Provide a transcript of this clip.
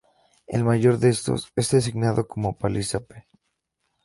El mayor se estos es designado como "Palisa P".